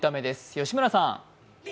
吉村さん。